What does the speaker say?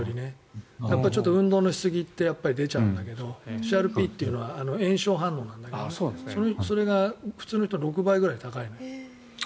運動のしすぎって出ちゃうんだけどＣＲＰっていうのは炎症反応なんだけどそれが普通の人の６倍ぐらい高いのよ。